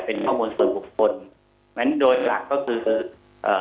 เป็นข้อมูลส่วนบุคคลงั้นโดยหลักก็คือเอ่อ